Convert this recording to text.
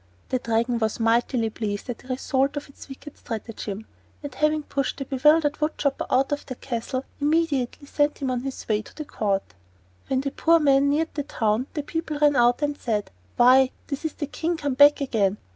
The Dragon was mightily pleased at the result of its wicked stratagem, and having pushed the bewildered wood chopper out of the castle, immediately sent him on his way to the court. When the poor man neared the town the people ran out and said: "Why, this is the King come back again.